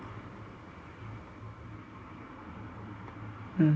うん。